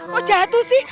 kok jatuh sih